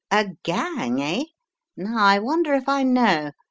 "A gang, eh? Now I wonder if I know.